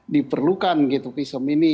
diperlukan gitu visum ini